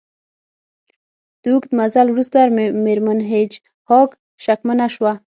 د اوږد مزل وروسته میرمن هیج هاګ شکمنه شوه